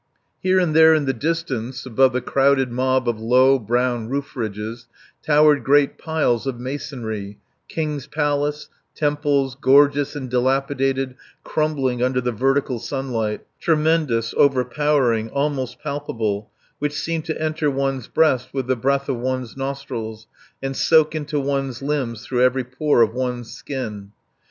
Here and there in the distance, above the crowded mob of low, brown roof ridges, towered great piles of masonry, King's Palace, temples, gorgeous and dilapidated, crumbling under the vertical sunlight, tremendous, overpowering, almost palpable, which seemed to enter one's breast with the breath of one's nostrils and soak into one's limbs through every pore of one's skin.